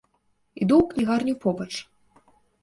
Іду ў кнігарню побач.